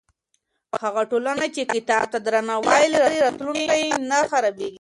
هغه ټولنه چې کتاب ته درناوی لري، راتلونکی یې نه خرابېږي.